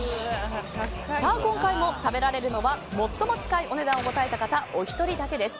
今回も食べられるのは最も近いお値段を答えた方お一人だけです。